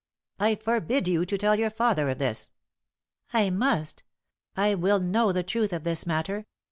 "I forbid you to tell your father of this." "I must! I will know the truth of this matter.